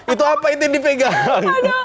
itu apa itu yang dipegangkan